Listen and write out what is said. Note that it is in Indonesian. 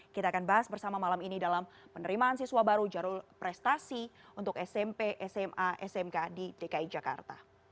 kita akan bahas bersama malam ini dalam penerimaan siswa baru jalur prestasi untuk smp sma smk di dki jakarta